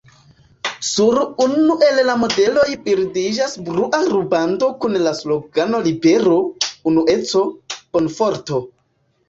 Sur unu el la modeloj bildiĝas blua rubando kun la slogano "libero, unueco, bonfarto".